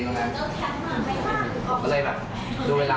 เกิดเหตุสักประมาณ๒ทุ่มได้